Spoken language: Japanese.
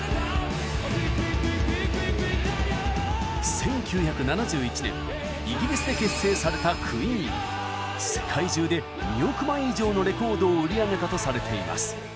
１９７１年イギリスで結成された世界中で２億枚以上のレコードを売り上げたとされています。